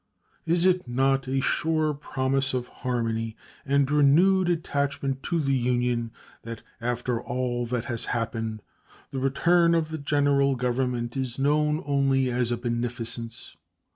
Is it not a sure promise of harmony and renewed attachment to the Union that after all that has happened the return of the General Government is known only as a beneficence?